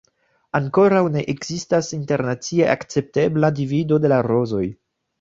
Ankoraŭ ne ekzistas internacie akceptebla divido de la rozoj.